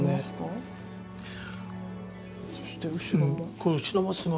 そして後ろも。